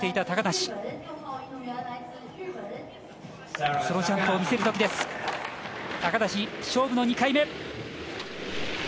高梨、勝負の２回目。